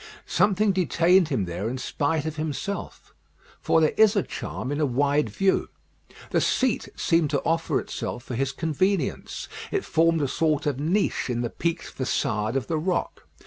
Something detained him there in spite of himself, for there is a charm in a wide view. The seat seemed to offer itself for his convenience; it formed a sort of niche in the peaked façade of the rock.